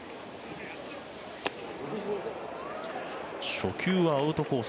初球はアウトコース